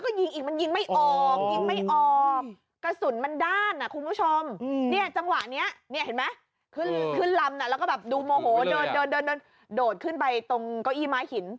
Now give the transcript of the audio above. โอ้โหคุณผู้ชม